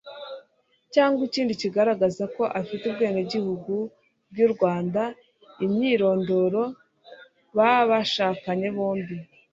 cyangwa ikindi kigaragaza ko afite ubwenegihugu bw'u Rwanda, Imyirondoro b'abashakanye bombi.